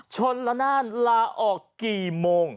ชนละนานลาออกกี่โมง